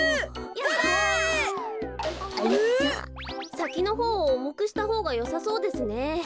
さきのほうをおもくしたほうがよさそうですね。